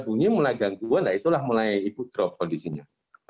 bunyi mulai jantungan itulah mulai ibu drop kondisinya